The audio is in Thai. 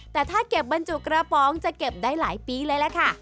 แต่ถ้าเก็บบรรจุกระป๋องจะเก็บได้หลายปีเลยล่ะค่ะ